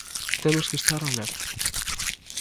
Temos que estar alerta.